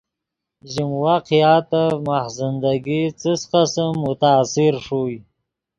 ژیم واقعاتف ماخ زندگی څس قسم متاثر ݰوئے